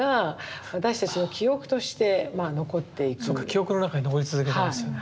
記憶の中に残り続けてますよね。